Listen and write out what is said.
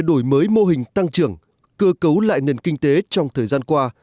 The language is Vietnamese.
đổi mới mô hình tăng trưởng cơ cấu lại nền kinh tế trong thời gian qua